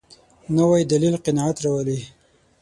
نوی دلیل قناعت راولي